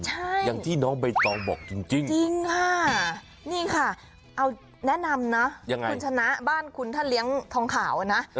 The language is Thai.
ใช่จริงค่ะนี่ค่ะเอาแนะนำนะคุณชนะบ้านคุณถ้าเลี้ยงทองขาวนะ